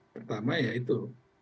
pertama ya itu